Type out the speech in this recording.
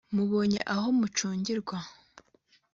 mubonye aho mushungirwa,